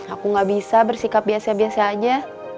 aku gak bisa bersikap biasa biasa aja